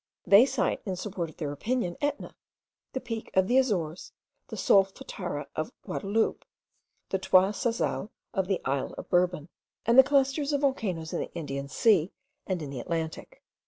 They cite, in support of their opinion, Etna, the peak of the Azores, the Solfatara of Guadaloupe, the Trois Salazes of the isle of Bourbon, and the clusters of volcanoes in the Indian Sea and in the Atlantic.